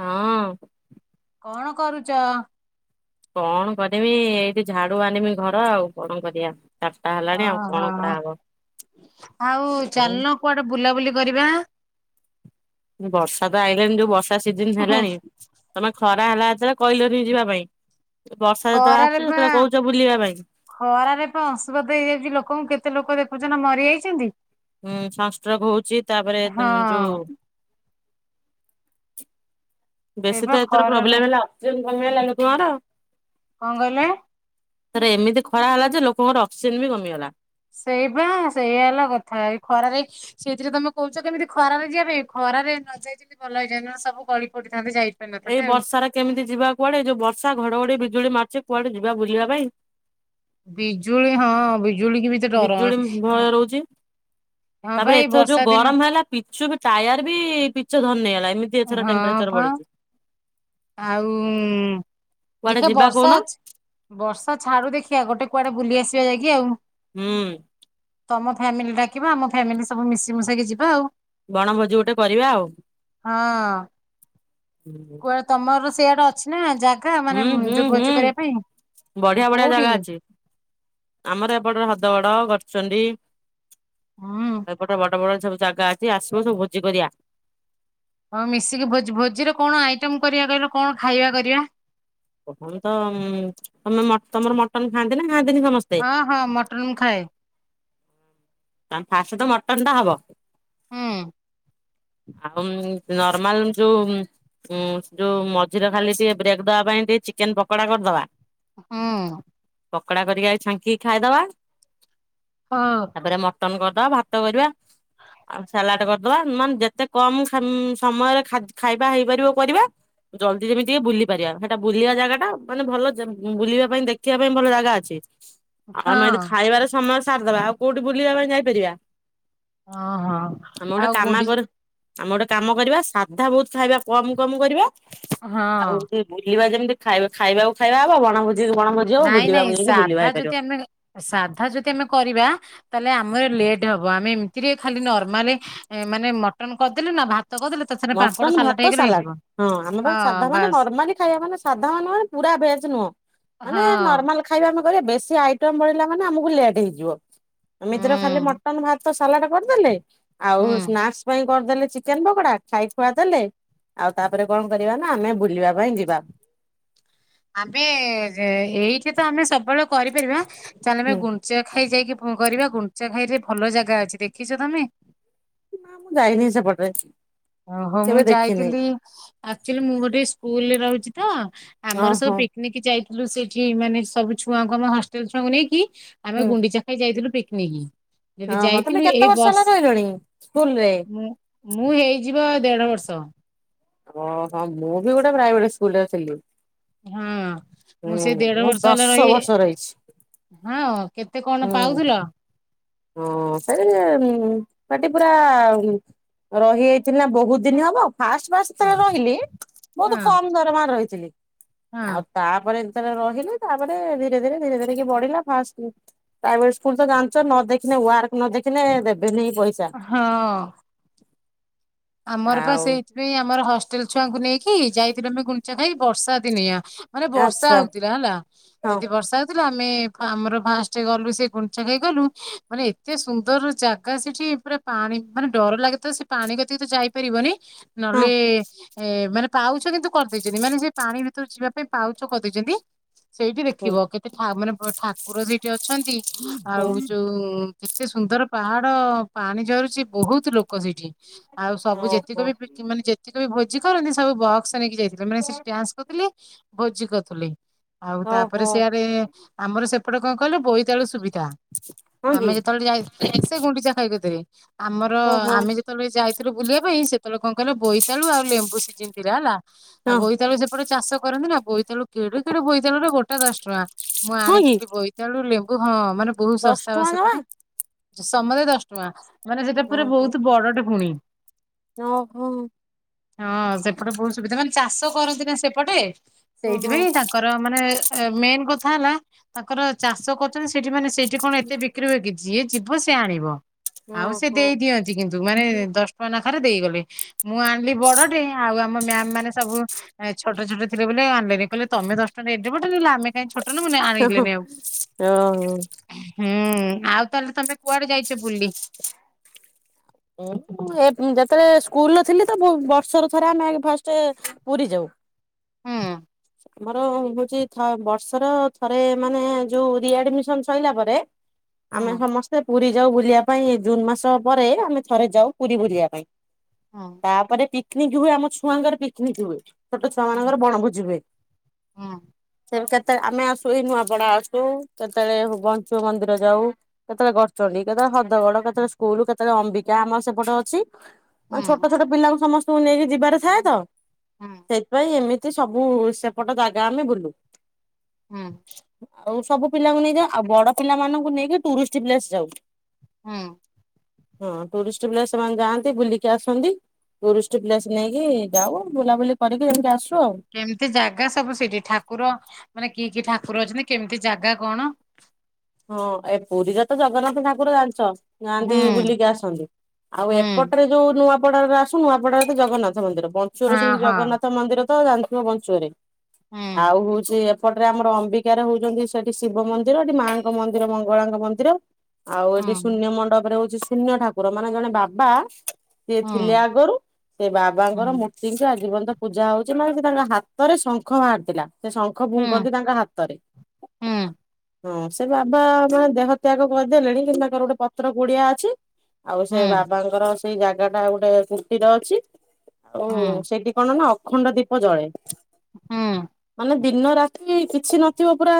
ହଁ। କଣ କରୁଛ? କଣ କରିମି ଏଇଠି ଝାଡୁ ମାରିମି ଘର ଆଉ କଣ କରିବା। ଚାରିଟା ହେଲାଣି ଆଉ ଓହୋ କଣ କରାହବ ଆଉ ଆଉ ଚାଲନ କୁଆଡେ ବୁଲାବୁଲି କରିବା। ବର୍ଷା ତ ଆଇଲାଣି ଯୋଉ ବର୍ଷା ସିଜନ ହୁଁ ହୁଁ ହେଲାଣି ତମେ ଖରା ହେଲା ଯେତେଳେ କହିଲନି ଯିବା ପାଇଁ। ବର୍ଷା ଯେତେବେଳେ ଖରାରେ ଆସୁଛି ପା ସେତେବେଳେ କହୁଛ ବୁଲିବା ପାଇଁ। ଖରାରେ ପା ଅଂଶୁଘାତ ହେଇଯାଉଛି ଲୋକଙ୍କୁ କେତେ ଲୋକ ଦେଖ ଖୁଚ ନା ମରିଯାଇଛନ୍ତି। ହୁଁ ସଂଷ୍ଟ୍ରୋକ ହଉଛି। ତାପରେ ହଁ ଯୋ ବେଶୀ ସେଇବା ତ ଏଥର ଖରାରେ ପ୍ରୋବ୍ଲେମ୍ ହେଲା ଅକ୍ସିଜେନ କମିଗଲା ଲୋକଙ୍କର କଣ କହିଲେ? ରେ ଏମିତି ଖରା ହେଲା ଯେ ଲୋକଙ୍କର ଅକ୍ସିଜେନ ବି କମିଗଲା। ସେଇ ବା ସେଇଆ ହେଲା କଥା ଏଇ ଖରାରେ ସେଇଥିରେ ତମେ କହୁଛ କେମିତି ଖରାରେ ଯିବା ପାଇଁ ଖରାରେ ନଯାଇଛନ୍ତି ଭଲ ହେଇଛି ନହଲେ ସବୁ ଗଳି ପଡିଥାନ୍ତେ ଯାଇ ଏଇ ବର୍ଷାାରେ କେମିତି ଯିବା କୁଆଡେ ଏ ଯୋଉ ବର୍ଷା ଘଡଘଡି ବିଜୁଳି ମାରୁଚି କୁଆଡେ ଯିବା ବୁଲିବା ପାଇଁ। ବିଜୁଳି ହଁ ବି ବିଜୁଳି କି ତ ଡର। ବିଜୁଳି ଭୟ ରହୁଛି ହଁ ପା ତାପରେ ଏଇ ଏଥର ବର୍ଷା ଯୋଉ ଦିନ ଗରମ ହେଲା ପିଚୁ ବି ଟାୟାର ବି ପିଚ ଧନ ହେଗଲା ଏମିତି ଏଥର ହଁ ଟେମ୍ପରଚର ପା ବଢି଼ଛି। ଆଉ କୁଆଡେ ଦେଖିବା ଯିବା ବର୍ଷା କହୁନ ଅଛି ବର୍ଷା ଛାଡୁ ଦେଖିବା ଗୋଟେ କୁଆଡେ ବୁଲି ଆସିବା ଯାଇକି ଆଉ। ହୁଁ ତମ ଫ୍ୟାମିଲି ଡାକିବା ଆମ ଫ୍ୟାମିଲି ସବୁ ମିଶି ମିଶାକି ଯିବା ଆଉ ବଣଭୋଜି ଗୋଟେ କରିବା ଆଉ। ହଁ [inaudible] ତୋର ସେଇଆଟା ଅଛି ନା ଯା ହୁଁ ହୁଁ ହୁଁ ବଢି଼ଆ ବଢି଼ଆ କୋଉଠି ଜାଗା ଅଛି ଆମର ଏପଟ ହ୍ରଦଗଡ ଗଛ ହୁଁ [unintelligible] ଏପଟେ ବଡ଼ ବଡ଼ ସବୁ ଜାଗା ଅଛି ଆସିବ ସବୁ ଭୋଜି କରିବା। ହଉ ମିଶିକି ଭୋଜିରେ କଣ ଆଇଟମ କରିବା କହିବ କଣ ଖାଇବା କରିବା? କମ ତ ତମେ ତମର ମଟନ ଖାଆନ୍ତି ନା? ଖାଆନ୍ତିନି ସମସ୍ତେ? ହଁ ହଁ ମଟନ୍ ଖାଏ। ଫାଷ୍ଟ ତ ମଟନ୍ ଟା ହବ ହୁଁ ଆଉ ନର୍ମାଲ ଯୋଉ ଯୋଉ ମଝିରେ ଖାଲି ଟିକେ ବ୍ରେକ୍ ଦବା ପାଇଁ ଟିକେ ଚିକେନ ପକୋଡା କରିଦବା ହୁଁ । ପକଡା କରିକି ଆ ଛାଙ୍କିକି ଖାଇଦବା ହଁ ତାପରେ ମଟନ କରିଦବା ଭାତ କରିବା ଆଉ ସାଲାଡ କରିଦବା ମାନେ ଯେତେ କମ ସମୟରେ ଖାଇବା ହେଇପାରିବ ପର ଜଲଦି ଯେମିତି ବୁଲି ପାରିବା ସେଟା ବୁଲିବା ଜାଗା ଟା ମାନେ ଭଲ ବୁଲିବା ପାଇଁ ଦେଖିବା ପାଇଁ ଭଲ ଜାଗା ଅଛି। ଆଉ ଆମେ ଏତ ହଁ ଖାଇବାର ସମସ୍ତ ସାରିଦବା ଆଉ କୋଉଠି ବୁଲିବା ପାଇଁ ଯାଇପାରିବା ଓ ହୋ ଆମେ ଗୋଟେ ଆଉ କାମ କର ଗୁଣ୍ଡିଚା ଆମେ ଗୋଟେ କାମ କରିବା ସାଧା ବହୁତ ଖାଇବା କମ କମ କରିବା ହଁ। ଆଉ ଟେ ବୁଲିବା ଯେମିତି ଖାଇବା ଖାଇବାକୁ ଖାଇବ ନାଇଁ ନାଇଁ ସାଧା ଯଦି ଆମେ ସାଧା ଯଦି ଆମେ କରିବା। ତାହେଲେ ଆମର ଲେଟ୍ ହବ ଆମେ ଏମିତିରେ ଖାଲି ନର୍ମାଲ ମାନେ ମଟନ କରିଦେଲେ ନା ଭାତ କରିଦେଲେ ତା ସାଙ୍ଗରେ ପାମ୍ପଡ ମଟନ୍, ସାଲାଟ ଭାତ, ହେଇଗଲେ ସାଲାଡ ହେଇଯିବ। ହଁ ଆମେ ସାଧା ମାନେ ନର୍ମାଲି ଖାଇବା ମାନେ ସାଧା ମାନେ ପୁରା ଭେଜ ନୁହଁ। ମାନେ ହଁ ନର୍ମାଲ ଖାଇବା। କନ କହିଲେ ବେଶୀ ଆଇଟମ ବଢିଲା ମାନେ ଆମକୁ ଲେଟ ହେଇଯିବ। ଏମିତିରେ ଖାଲି ହୁଁ ମଟନ୍ ଭାତ ତ ସାଲାଡ କରିଦେଲେ ଆଉ ହୁଁ ସ୍ନାକ୍ସ ପାଇଁ କରିଦେଲେ ଚିକେନ ପକଡା ଖାଇ ଖୁଆ ଦେଲେ ଆଉ ତାପରେ କଣ କରିବା ନା ଆମେ ବୁଲିବା ପାଇଁ ଯିବା। ଆମେ ଯେ ଏଇଠି ତ ଆମେ ସବୁବେଳେ କରିପାରିବା। ଚାଲେ ଆମେ ହୁଁ ଗୁନୂଚା ଖାଇ ଯାଇକି ଭୋ କରିବା ଗୁନୂଚା ଖାଇରେ ଭଲ ଜାଗା ଅଛି ଦେଖିଚ ତମେ ନା ମୁଁ ଯାଇନି ସେପଟରେ। ଓହୋ କେବେ ମୁଁ ଦେଖିନି ଯାଇଥିଲି ଆକ୍ଚୁଲି ମୁଁ ଗୋଟେ ସ୍କୁଲରେ ରହୁଚି ତ ଆମର ଓହୋ ସବୁ ପିକନିକ ଯାଇ ଲୋ ସେଇଠି ମାନେ ସବୁ ଛୁଆଙ୍କୁ ଆମ ହଷ୍ଟେଲ ଛୁଆଙ୍କୁ ନେଇକି ଆମେ ଗୁଣ୍ଡି ଚାଖାଇ ଯାଇଥିଲୁ ପି ନେଇକି। ଓ ହଁ ତୁମେ କେତେ ବର୍ଷ ହେଲା ରହିଲଣି ସ୍କୁଲରେ? ଯିବ ଦେଢ ବର୍ଷ। ଓହୋ ମୁଁ ବି ଗୋଟେ ପ୍ରାଇଭେଟ ସ୍କୁଲରେ ଥିଲି। ହଁ। ମୁଁ ହୁଁ ସେ ଦେଢ ମୁଁ ବର୍ଷ ହେଲା ଦଶ ରହି, ବର୍ଷ ରହିଛି ହଁ କେତେ କଣ ହୁଁ ପାଉଥିଲ? ହଁ ସେ ସେଟି ପୁରା ରହିଯାଇଥିଲି ନା ବହୁତ ଦିନ ହବ। ଫାଷ୍ଟ ଫାଷ୍ଟ ଟା ହଁ ରହିଲି ବହୁତ ହଁ କମ ଦରମାର ରହି ଥିଲି। ଆଉ ତା ପରେ ରହିଲି ତାପରେ ଧୀରେ ଧୀରେ ଧୀରେ ଧୀରେ କି ବଢିଲା ଫା ପ୍ରାଇଭେଟ ସ୍କୁଲ ତ ଜାଣିଛ। ନା ୱାର୍ଡ ନ ଦେଖିଲେ ଦେବେନି ପଇସା। ହଁ ଆମର ପା ଆଉ ସେଇଥିପାଇଁ ଆମର ହସ୍ ଟେଲ୍ ଛୁଆଙ୍କୁ ନେଇକି ଯାଇଥିଲୁ ଆମେ ଗୁଣ୍ଡିଚା ଖାଇ। ବର୍ଷା ଦିନିଆ ମାନେ ବର୍ଷା ଆଚ୍ଛା ହଉଥିଲା ହେଲା। ହଁ ଯଦି ବର୍ଷା ହଉଥିଲା ଆମେ ଆମର ଫାଷ୍ଟ ଗଲୁ ସେ ଗୁଣ୍ଡିଚା ଘାଇ ଗଲୁ ମାନେ ଏତେ ସୁନ୍ଦର ଜାଗା ସେଠି ପୁରା ପାଣି ମାନେ ଡର ଲାଗେ ତ ସେ ପାଣି କ ତି ତ ଯାଇପାରିବନି। ହଁ ନହେଲେ ଏ ମାନେ? ପାଉଛ କିନ୍ତୁ କରିଦେଇଚନ୍ତି ମାନେ ସେ ପାଣି ଭିତରୁ ଯିବା ପାଇଁ ପାଉଛ କରିଦେଇଚନ୍ତି। ସେଇଠି ହୁଁ ଦେଖିବ କେତେ ଠା ମାନେ ବ ଠା। ଗୃହ ଶିକ୍ଷକ। ଅଛନ୍ତି। ଆଉ ହୁଁ ଯୋଉ ଏତେ ସୁନ୍ଦର ପାହାଡ ପାଣି ଝରୁଛି ବହୁତ ଲୋକ ସେଇଠି। ଆଉ ସବୁ ଯେତିକି ଓହୋ ବି ପିକି ମାନେ ଯେତିକି ବି ଭୋ ଜି କରନ୍ତି ସବୁ ବକ୍ସ ନେଇକି ଯାଇଥିଲେ ମାନେ ସେଠି ଡ୍ୟାନ୍ସ କରୁଥିଲେ। ଭୋଜି କରୁଥିଲେ। ଆଉ ତାପରେ ଓହୋ ସେଆଡେ ଆମର ସେ ଏପଟେ କଣ କହିଲେ ବୋଇତାଳୁ ସୁଭି [unintelligible] ହଁ କି ଆମେ ଯେତେବେଳେ ଯାଇ ସେ ଗୁଣ୍ଡିଚା ଖାଇକତିରେ ଆମର ଓହୋ ଆମେ ଯେତେବେଳେ ଯାଇ ଏଥର ବୁଲିବା ପାଇଁ ସେତେବେଳେ କଣ କଲେ ବୋଇତାଳୁ ଆଉ ଲେମ୍ବୁ ସିଜିନ ଥିଲା ହେଲା। ଆଉ ହଁ ବୋଇତାଳୁ ସେପଟେ ଚାଷ। କରନ୍ତି ନା ବୋଇତ୍ ତାଳୁ କେଡେ କେଡେ ବୋଇତାଳୁ ରେ ବଟ୍ ଗୋଟା ଦଶ ଟଙ୍କା। ମୁଁ ହଁ କି ଆଣିଥିଲି ବୋଇତାଳୁ ଲେମ୍ବ କୁ ହଁ। ମାନେ ବହୁତ ଦଶ ଶସ୍ତା ବା ଟଙ୍କା ଜମା ସେପଟେ। ସମତେ ଦଶ ଟଙ୍କା। ମାନେ ସେଇଟା ପୁରା ଓହୋ ବହୁତ ବଡଟେ ପୁଣି। ଓହୋ ହଁ ସେପଟେ ବହୁତ ସୁବିଧା ମାନେ ଚାଷ କରନ୍ତି ନା ସେପଟେ। ଓହୋ ସେଇଥିପାଇଁ ତାଙ୍କର ମାନେ ଏ ମେନ୍ କଥା ହେଲା ତାଙ୍କର ଚାଷ କରୁଚନ୍ତି। ସେଠି ମାନେ ସେଇଠି କଣ ଏତେ ବିକ୍ରି ହୁଏ କି? ଯିଏ ଯିବ ସିଏ ଆଣିବ। ଆଉ ସେ ଓହୋ ଦେଇ ଦିଅନ୍ତି। କିନ୍ତୁ ମାନେ ଦଶ ବାହାରେ ଦେଇଗଲେ। ମୁଁ ଆଣିଲି ବଡଟେ ଆଉ ଆମ ମ୍ୟାମ୍ ମାନେ ସବୁ ଏ ଛୋଟ ଛୋଟ ଥିଲେ ବଲେ ଆଣିଲେନି। କହିଲେ ତମେ ଦଶଟଙ୍କାରେ ଏଡେ ବଡ ନେଲ ଆମେ କାଇଁ ଛୋଟ୍ ଓ ହୋ ଅ। ହୁଁ ଆଉ ତାହେଲେ ତମେ କୁଆଡେ ଯାଇଛ ବୁଲି? ଯେତେବେଳେ ସ୍କୁଲ ଥିଲି ତ ବର୍ଷର ଥରେ ଆମେ ଆଗେ ଫାଷ୍ଟ ପୁରୀ ଯାଉ। ହଁ। ଆମର ହଉଛି ବର୍ଷର ଥରେ ମାନେ ଯୋଉ ରିଆଡମିସନ ସଇଲା ପରେ ଆମେ ହୁଁ ସମସ୍ତେ ପୁରୀ ଯାଉ ବୁଲିବା ପାଇଁ ଜୁନ ମାସ ପରେ ଆମେ ଥରେ ଯାଉ ପୁରୀ ବୁଲିବା ପାଇଁ। ହୁଁ। ତାପରେ ତି ନିକ ହୁଏ ଆମ ଛୁଆଙ୍କର ପିକନିକ ହୁଏ। ଛୋଟ ହୁଁ ଛୁଆମାନଙ୍କର ବଣ ଭୋଜି ହୁଏ। ହୁଁ। କେବେ କେତେ ଆମେ ଆସୁ ଏଇ ନୂଆପଡା ଆସୁ କେତେବେଳେ ହୁ ବଞ୍ଚୁ ମନ୍ଦିର ଯାଉ। କେତେବେଳେ ଗଡ଼ଚଣ୍ଡୀ କେତେବେଳେ ହଦ ଗଡ କେତେବେଳେ ସ୍କୁଲ କେତେବେଳେ ଅମ୍ବିକା ଆମ ସେପଟ ଅଛି। ମାନେ ଛୋଟ ହୁଁ ଛୋଟ ପିଲାଙ୍କୁ ସମସ୍ ତୁ ନେଇକି ଯିବାର ଥାଏ ତ। ହୁଁ ସେଥିପାଇଁ ଏମି ତି ସବୁ ସ୍ ସେପଟ ଜାଗା ଆମେ ବୁଲୁ। ହୁଁ। ଆଉ ସବୁ ପିଲାଙ୍କୁ ନେଇଯାଉ ଆଉ ବଡ ପିଲାମାନଙ୍କୁ ନେଇକି ଟୁରିଷ୍ଟ ପ୍ଲେସ୍ ଯାଉ। ହଁ। ହଁ ଟୁରିଷ୍ଟ ପ୍ଲେସ ସେମାନେ ଯାଆନ୍ତି ବୁଲିକି ଆସନ୍ତି ଟୁରିଷ୍ଟ ପ୍ଲେସ ନେଇକି ଯାଉ ବୁଲାବୁଲି କରିକି ଯେମିତି ଆସୁ ଆଉ। କେମିତି ଜା ଗା ସବୁ ସେଠି ଠାକୁର ମାନେ କି କି ଠାକୁର ଅଛନ୍ତି କେମିତି ଜାଗା କଣ? ହଁ ଏ ପୁରୀରେ ତ ଜଗନ୍ନାଥ ଠାକୁର ଜାଣିଛ। ଯାଆନ୍ତି ହୁଁ ବୁଲିକି ଆସନ୍ତି ଆଉ ହୁଁ ଏପଟରେ ଯୋଉ ନୂଆ ପଡାରେ ଆସୁ ନୁଆପଡାରେ ତ ଜଗନ୍ନା ଥ ମନ୍ଦିର ବଞ୍ଚୁଅରେ ହଁ ସେମିତି ହଁ ଜଗନ୍ନାଥ ମନ୍ଦିର ତ ଜାଣିଥିବ ବଞ୍ଚୁଅରେ ହୁଁ ଆଉ ହୋଉଛି ଏପଟରେ ଆମର ଅମ୍ବିକାରେ ହଉଛନ୍ତି ସେଠି ଶିବ ମନ୍ଦିର ଏଠି ମା ଙ୍କ ମନ୍ଦିର ମଙ୍ଗଳାଙ୍କ ମନ୍ଦିର ଆଉ ହୁଁ ଏଠି ଶୂନ୍ୟ ମଣ୍ଡପରେ ହୋଉ ଛି ଶୂନ୍ୟ ଠାକୁର ମାନେ ଜଣେ ବାବା ସିଏ ହୁଁ ଥିଲେ ଆଗରୁ ସେ ବାବାଙ୍କର ହୁଁ ମୂର୍ତ୍ତିଙ୍କ ଆଜି ପର୍ଯ୍ୟନ୍ତ ପୂଜା ହଉଛି ମାନେ ସେ ତାଙ୍କ ହାତରେ ଶଙ୍ଖ ବାହାରିଥିଲା। ସେ ଶଙ୍ଖ ହୁଁ ଫୁଙ୍ଖନ୍ତି ତାଙ୍କ ହାତରେ। ହୁଁ। ହଁ। ସେ ବାବା ମାନେ ଦେହ ତ୍ୟାଗ କରିଦେଲେଣି କି ତାଙ୍କର ଗୋଟେ ପତ୍ର କୁଡିଆ ଅଛି। ଆଉ ସେ ହୁଁ ବାବାଙ୍କର ସେଇ ଜାଗା ଟା ଗୋଟେ କୁଣ୍ଟିର ଅଛି। ଆଉ ହୁଁ ସେଠି କଣ ନା ଅଖଣ୍ଡ ଦୀପ ଜଳେ ହୁଁ ମାନେ ଦିନ ରାତି କିଛି ନଥିବ ପୁରା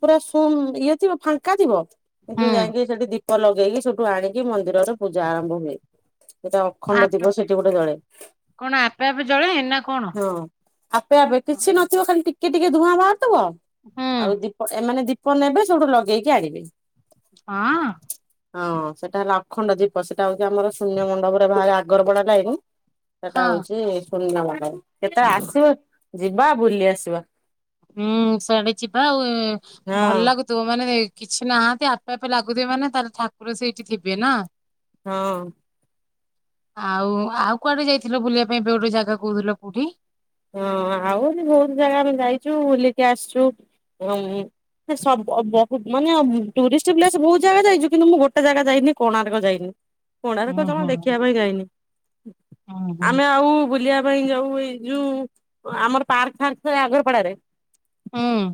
ପୁରା ଶୁନ୍ ଇଏ ଥିବ ଫାଙ୍କା ଥିବ କିନ୍ତୁ ହୁଁ ଯାଇକି ସେଠି ଦିଖ୍ ଦୀପଲଗେଇକି ସେଠୁ ଆଣିକି ମନ୍ଦିରରେ ପୂଜା ଆରମ୍ଭ ହୁଏ । ସେଟା ଅଖଣ୍ଡ ଆପେ ଦୀପ ସେଠି ଗୋଟେ ଜଳେ କଣ ଆପେ ଆପେ ଜଳେ ନା କଣ? ହଁ ଆପେ ଆପେ ହୁଁ କିଛି ନଥିବ ଖାଲି ଟି ଟିକେ ଟିକେ ଧୂଆଁ ମାାର ଆଉ ହଁ ଦୀପ ଏମାନେ ଦୀପ୍ କ ନେବେ ସୋଠୁ ଲଗେଇକି ଆଣିବେ । ହଁ ସେଟା ହେଲା ଅଖଣ୍ଡ ଦୀପ ସେଟା ହଉଛି ଆମର ଶୂନ୍ୟ ମଣ୍ଡପରେ ବାହ ଆଗର ବଡା ଯାଏନି । ସେଟା ହଁ ହଉଛି ଶୂନ୍ୟ ମଣ୍ଡପ । କେତେବେଳେ ଆସିବ ଯିବା ବୁଲି ଆସିବା । ଉଁ ସେଆଡ଼େ ଯିବା ଆଉ ଭଲ ହଁ ଲାଗୁଥିବ ମାନେ କିଛି ନାହାନ୍ତି ଆପେ ଆପେ ଲାଗୁଥିବ ମାନେ ତାହେଲେ ଠାକୁର ସେଇଠି ଥିବେ ନା? ହଁ ଆଉ ଆଉ କୁଆଡେ ଯାଇଥିଲ ବୁଲିବା ପାଇଁ ଏବେ ଗୋଟେ ଜାଗା କହୁଥିଲ କୋଉଠି । ହଁ ଆଉ ବହୁତ ଜାଗା ଆମେ ଯାଇଛୁ ବୁଲିକି ଆସିଛୁୁ ବ ମାନେ ଟୁରିଷ୍ଟ ପ୍ଲେସ୍ ବହୁତ ଜାଗା ଯାଇଛୁ କିନ୍ତୁ ମୁଁ ଗୋଟେ ଜାଗା ଯାଇନି କୋଣାର୍କ ଯାଇନି କୋଣାରକ ହୁଁ ଜମା ହୁଁ ଦେଖିବା ପାଇଁ ଯାଇନି ହୁଁ ହୁଁ ଆମେ ଆଉ ବୁଲିବା [unintelligible] ଯୋଉଁ ଆମର ପାର୍କ ଫାର୍କ ଆଗରପଡାରେ ହୁଁ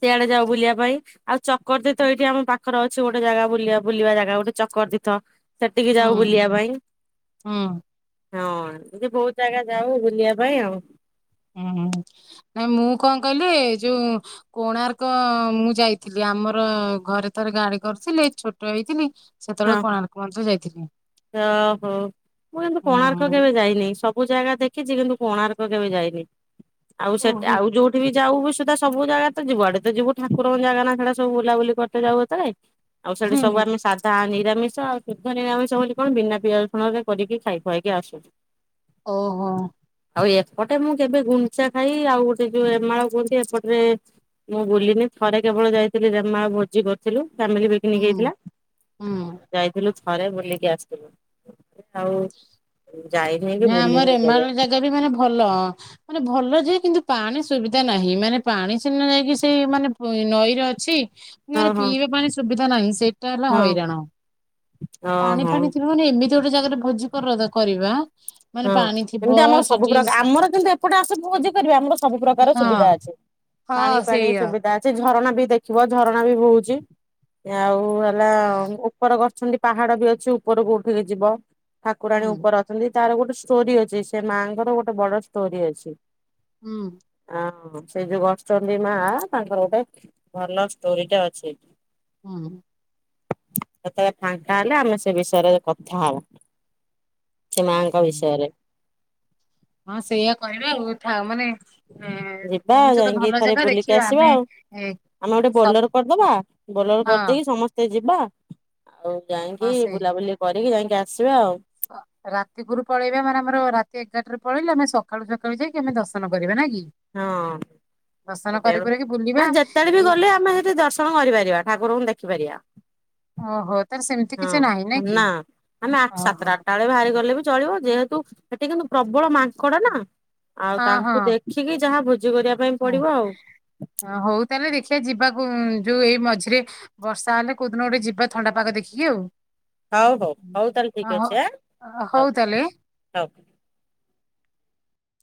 ସିଆଡେ ଯାଉ ବୁଲିବା ପାଇଁ ଆଉ ଚକରତୀର୍ଥ ଏଇଠି ଆମ ପାଖର ଅଛି ଗୋଟେ ଜାଗା ବୁଲିବା ବୁଲିବା ଜାଗା ଗୋଟେ ଚକରତୀର୍ଥ ସେଠିକି ଯାଉ ହୁଁ ବୁଲିବା ପାଇଁ ହୁଁ। । ହଁ ଯେ ବହୁତ ଜାଗା ଯାଉ ବୁଲିବା ପାଇଁ ଆଉ ହୁଁ ନାଇଁ ମୁଁ କଣ କହିଲି ଯୋଉ କୋଣାର୍କ ମୁଁ ଯାଇଥିଲି ଆମର ଘରେ ଥରେ ଗାଡି କରିଥିଲେ ଛୋଟ ହେଇଥିଲି ହଁ ସେତେବେଳେ କୋଣାର୍କ ମନ୍ଦିର ଯାଇଥିଲି ଓହୋ ମୁଁ କିନ୍ତୁ କୋଣାର୍କ ହୁଁ। କେବେ ଯାଇନି ସବୁ ବହୁତ୍ ଜାଗା ଦେଖିଛି କିନ୍ତୁ କୋଣାର୍କ କେବେ ଯାଇନି । ଆଉ ସେଟ୍ ଓହୋ। ଆଉ ଯୋଉଠି ବି ଯାଉ ବିି ସୁଧା ସବୁ ଜାଗା ତ ଯୁଆଡେ ତ ଯିବୁ ଠାକୁରଙ୍କ ଜାଗା ନା ସେଟା ଓଲାଓଲି କରିତେ ଯାଉ ଏତେଳେ ଆଉ ସେଠି ହୁଁ ସବୁ ଆମେ ସାଥ୍ ନିରାମିଷ ଆଉ ଶୁଦ୍ଧ ନିରାମିଷ ବୋଲି କଣ ବିନା ପିଆଜ ରସୁଣରେ କରିକି ଖାଇ ଖୁଆଇକି ଆସୁ । ଓହୋ। ଆଉ ଏପଟେ ମୁଁ କେବେ ଗୁଣ୍ଞ୍ଚା ଖାଇ ଆଉ ଗୋଟେ ଯୋଉ ରେମାଳ କୁହନ୍ତି ଏପଟରେ ମୁଁ ବୁଲିନି ଥରେ କେବଳ ଯାଇଥିଲି ରେମାଳ ଭୋଜି କରିଥିଲୁ। ଫାମିଲି ପିକନିକ ହୁଁ ହେଇଥିଲା। ହୁଁ ଯାଇଥିଲୁ ଥରେ ବୁଲିକି ଆସିଥିଲୁ ଆଉ ଯାଇନି କି ନା ଆମ ବୁଲିନି କେବେ ରେମାଳ ଜାଗା ବି ମାନେ ଭଲ ମାନେ ଭଲ ଯେ କିନ୍ତୁ ପାଣି ସୁବିଧା ନାହିଁ ମାନେ ପାଣି ସିନା ଯାଇକି ସେଇ ମାନେ ନଈରେ ଅଛି। ହଁ ମାନେ ହଁ। ପିଇବା ପାଣି ସୁବିଧା ନା ନାଇଁ ସେ ହେଲା ହଁ ହଇରାଣ ପାଣି ଓହୋ ଫାଣି ଥିବ ମାନେ ଏମିତି ସେ ଗୋଟେ ଜାଗାରେ ଭୋଜି କର ଯାଅ କରିବା। ମାନେ ହଁ ପାଣି ଥିବ ଏମିତି ଆମର ସବୁ ସେଠି ପ୍ରକାର ଆମର କିନ୍ତୁ ଏପଟେ ଆସୁଭୋଜି କରିବା ଆମର ସବୁ ପ୍ରକାର ସୁବିଧା ହଁ ଅଛି ହଁ ପାଣି ପାଣି ସେଇଆ ସୁବିଧା ଅଛି ଝରଣା ବି ଦେଖିବ। ଝରଣା ବି ବହୁଚି। ଆଉ ହେଲା ଉପର କରଛନ୍ତି ପାହାଡ ବି ଅଛି ଉପରକୁ ଉଠିକି ଯିବ। ହୁଁ ଠାକୁରାଣୀ ଉପରେ ଅଛନ୍ତି। ତାର ଗୋଟେ ଷ୍ଟୋରି ଅଛି ସେ ମାଆଙ୍କର ଗୋଟେ ବଡ ଷ୍ଟୋରି ଅଛି। ହୁଁ। ହଁ ସେ ଯୋଉ ବଛନ୍ତି ମା ତାଙ୍କର ଗୋଟେ ଭଲ ଷ୍ଟୋରି ଟା ଅଛି। ହଁ। କେତେବେଳେ ଫାଙ୍କା ହେଲେ ଆମେ ସେ ବିଷୟରେ କଥା ହବା। ସେ ମାଙ୍କ ହୁଁ। ବିଷୟରେ ହଁ ସେଇଆ କରିବା ଆଉ ଥା ମାନେ ଏ ଯିବାଆଉ କହୁଛ ତ ଯାଇକି ଭଲ ଥରେ ଜାଗା ବୁଲିକି ଦେଖିବା ଆସିବା ଆମେ ଆଉ ଏ ଆମେ ଗୋଟେ ସବୁ ବୋଲର କରିଦବା ବୋଲର ହଁ କରିଦେଇକି ସମସ୍ତେ ଯିବ୍ ବା ଆଉ ଯାଇକି ବୁଲାବୁଲି କରିକି ଯାଇକି ଗ୍ୟାସ୍ ରାତିକରୁ ପଳେଇବେ ମାନେ ଆମର ରାତି ଏ ଏଗାରଟରେ ପଳେଇଲେ ଆମେ ସକାଳୁ ସକାଳୁ ଯାଇକି ଆମେ ଦର୍ଶନ କରିବା ନା କି ହଁ ଦର୍ଶନ କରି କୁରାକି ବୁଲିବା ନା ଯେତେବେଳେ ବି ଏଇ ଗଲେ ଆମେ ସେଠି ଦର୍ଶନ କରିପାରିବା ଠାକୁରଙ୍କୁ ଦେଖିପାରିବା। ଓହୋ। ତାର ସେମିତି କିଛି ନାହିଁ ହଁ କି ନା ଆମେ ଆଠ ଓହୋ। ସାତଟା ଆଠଟା ବେଳେ ବାହାରି ଗଲେ ବି ଚଳିବ ଯେହେତୁ ସେଟା କିନ୍ତୁ ପ୍ରବଳ ମାଙ୍କଡ ନା ଆଉ ହଁ ତାଙ୍କୁ ଦେଖିକି ଯାହା କରିବା ପାଇଁ ହଁ ପଡିବ ଆଉ ହଁ ହଉ ତାହେଲେ ଦେଖିବା ଯିବାକୁ ଯୋଉ ଏଇ ମଝିରେ ବର୍ଷା ହେଲେ କୋଉଦିନ ଗୋଟେ ଯିବା ଥଣ୍ଡାପାଗ ଦେଖିକି ଆଉ। ହଉ ହଉ ହଉ ତାହେଲେ ଅ ଠିକ ଅଛି ଆଁ ହଉ ତାହେଲେ ହଉ ହଉ।